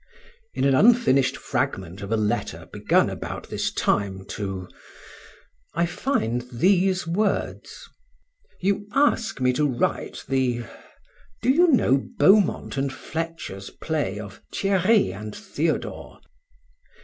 In an unfinished fragment of a letter begun about this time to ——, I find these words: "You ask me to write the ——. Do you know Beaumont and Fletcher's play of "Thierry and Theodore"?